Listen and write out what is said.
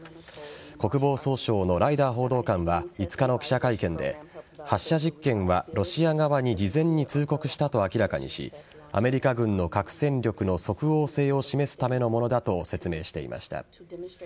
国防総省のライダー報道官は５日の記者会見で発射実験はロシア側に事前に通告したと明らかにしアメリカ軍の核戦力の即応性を示すためのものだと説明していました。